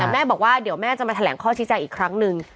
แม่บอกว่าเดี๋ยวแม่จะมาแถลงข้อชี้แจงอีกครั้งหนึ่ง